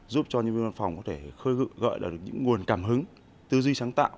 giúp cho nhân viên văn phòng có thể khơi gợi là được những nguồn cảm hứng tư duy sáng tạo